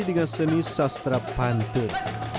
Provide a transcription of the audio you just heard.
dengan seni sastra pantun